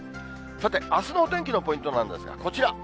さて、あすのお天気のポイントなんですが、こちら。